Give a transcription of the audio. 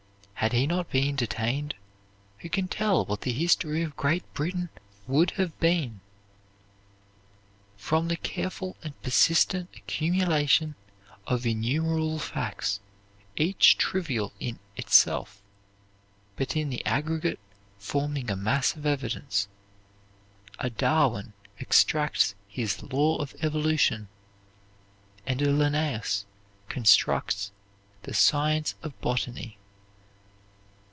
Had he not been detained, who can tell what the history of Great Britain would have been? From the careful and persistent accumulation of innumerable facts, each trivial in itself, but in the aggregate forming a mass of evidence, a Darwin extracts his law of evolution, and a Linnaeus constructs the science of botany.